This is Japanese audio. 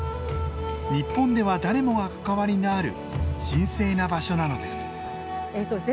日本では誰もが関わりのある神聖な場所なのです。